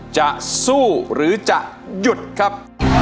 จะสู้หรือจะหยุดครับ